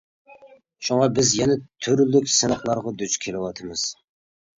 شۇڭا بىز يەنە تۈرلۈك سىناقلارغا دۇچ كېلىۋاتىمىز.